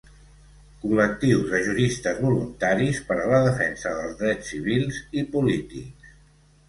Col·lectius de juristes voluntaris per a la defensa dels drets civils i polítics.